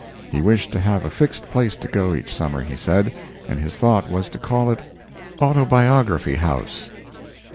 He wished to have a fixed place to go each summer, he said, and his thought was to call it "Autobiography House."